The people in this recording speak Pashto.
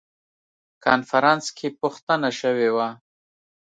کنفرانس کې پوښتنه شوې وه.